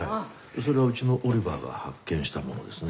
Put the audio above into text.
それはうちのオリバーが発見したものですね。